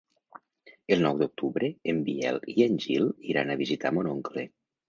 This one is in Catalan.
El nou d'octubre en Biel i en Gil iran a visitar mon oncle.